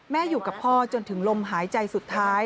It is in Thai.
อยู่กับพ่อจนถึงลมหายใจสุดท้าย